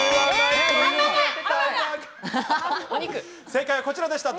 正解はこちらでした。